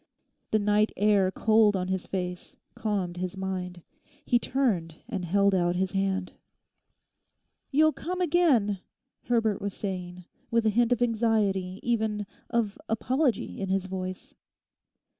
The night air cold on his face calmed his mind. He turned and held out his hand. 'You'll come again?' Herbert was saying, with a hint of anxiety, even of apology in his voice.